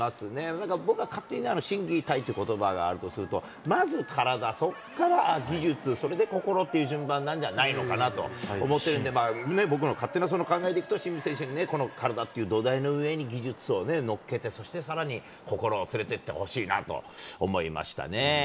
難は僕ら勝手に心技体っていうことばがあるとすると、まず体、そこから技術、それで心という順番なんじゃないのかなと思ってるんで、僕の勝手な考えでいくと、清水選手に、体って土台の上に技術を乗っけて、そしてさらに、心を連れてってほしいなと思いましたね。